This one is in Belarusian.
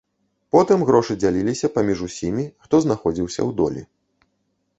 Потым грошы дзяліліся паміж усімі, хто знаходзіўся ў долі.